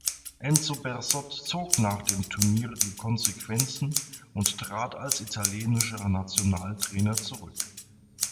Enzo Bearzot zog nach dem Turnier die Konsequenzen und trat als italienischer Nationaltrainer zurück.